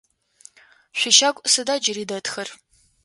Шъуищагу сыда джыри дэтхэр?